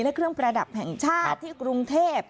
และเครื่องประดับแห่งชาติที่กรุงเทพ